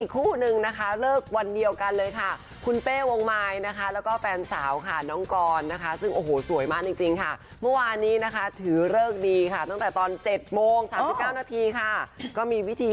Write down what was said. ครูหนึ่งนะคะเลิกวันเดียวกันเลยค่ะคุณเป๊วงไม้แล้วก็แฟนสาวน้องกร